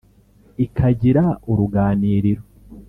ikagira uruganiriro